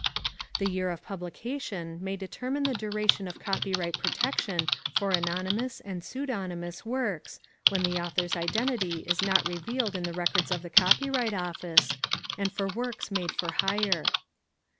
+ The year of publication may determine the duration of copyright protection for anonymous and pseudonymous works (when the author's identity is not revealed in the records of the Copyright Office) and for works made for hire.